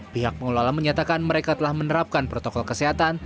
pihak pengelola menyatakan mereka telah menerapkan protokol kesehatan